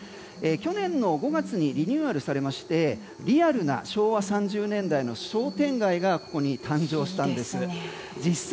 去年５月にリニューアルされましてリアルな昭和３０年代の商店街がここに誕生したんです。